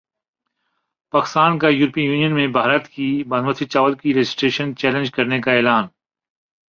پاکستان کا یورپی یونین میں بھارت کی باسمتی چاول کی رجسٹریشن چیلنج کرنیکا اعلان